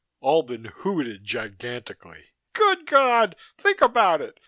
Albin hooted gigantically. "Good God, think about it!